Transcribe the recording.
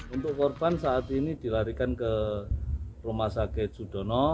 untuk korban saat ini dilarikan ke rumah sakit sudono